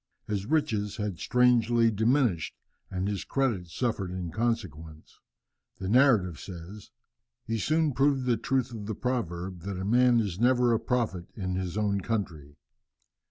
His riches had strangely diminished and his credit suffered in consequence. The narrative says, "He soon proved the truth of the proverb, that a man is never a prophet in his own country.